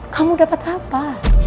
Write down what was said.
kamu dapat apa